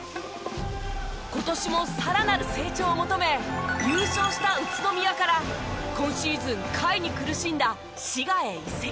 今年もさらなる成長を求め優勝した宇都宮から今シーズン下位に苦しんだ滋賀へ移籍。